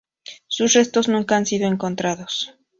Sus restos nunca han sido encontrados.